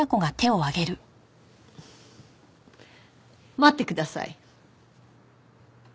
待ってください。